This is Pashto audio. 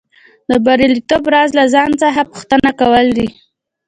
د بریالیتوب راز له ځان څخه پوښتنه کول دي